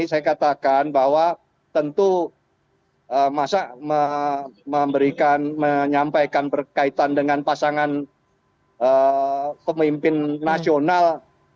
saya katakan bahwa tentu masa memberikan menyampaikan berkaitan dengan pasangan pemimpin nasional